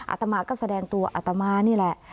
อาตมาก็แสดงตัวอัตมานี่แหละ